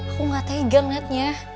aku gak tegang liatnya